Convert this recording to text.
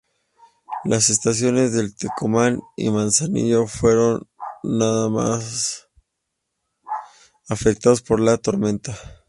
Las estaciones de Tecomán y Manzanillo fueron los más afectados por la tormenta.